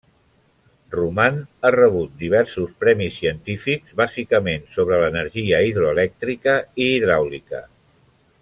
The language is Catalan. Roman ha rebut diversos premis científics, bàsicament sobre l'energia hidroelèctrica i hidràulica.